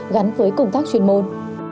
gắn với công tác chuyên môn